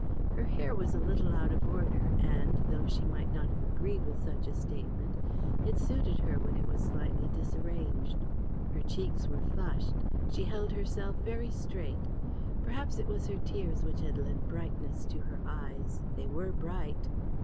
Her hair was a little out of order; and, though she might not have agreed with such a statement, it suited her when it was slightly disarranged. Her cheeks were flushed. She held herself very straight. Perhaps it was her tears which had lent brightness to her eyes; they were bright.